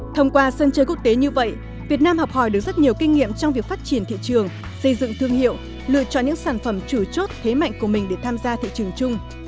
thông qua sân chơi quốc tế như vậy việt nam học hỏi được rất nhiều kinh nghiệm trong việc phát triển thị trường xây dựng thương hiệu lựa chọn những sản phẩm chủ chốt thế mạnh của mình để tham gia thị trường chung